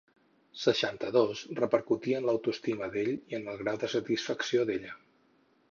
Seixanta-dos repercutia en l'autoestima d'ell i en el grau de satisfacció d'ella.